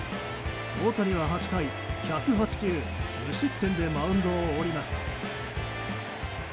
大谷は８回１０８球、無失点でマウンドを降ります。